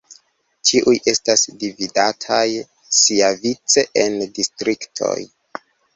Ĉiuj estas dividataj siavice en distriktoj.